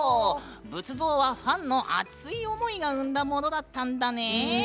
仏像はファンの熱い思いが生んだものだったんだね。